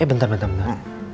eh bentar bentar bentar